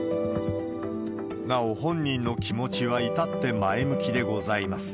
なお、本人の気持ちは至って前向きでございます。